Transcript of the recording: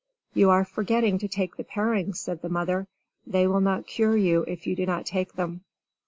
"You are forgetting to take the parings," said the mother. "They will not cure you if you do not take them."